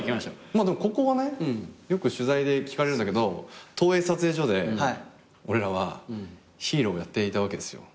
まあでもここはねよく取材で聞かれるんだけど東映撮影所で俺らはヒーローをやっていたわけですよ。